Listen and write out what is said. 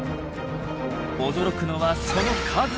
驚くのはその数！